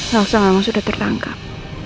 lalu sama sama sudah tertangkap